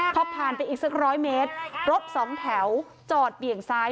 พอผ่านไปอีกสักร้อยเมตรรถสองแถวจอดเบี่ยงซ้าย